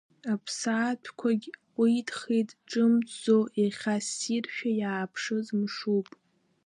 Аԥсаатәқәагь ҟәиҭхеит ҿымҭӡо, иахьа ссиршәа иааԥшыз мшуп.